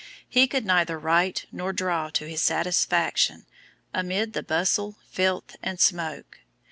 He could neither write nor draw to his satisfaction amid the "bustle, filth, and smoke."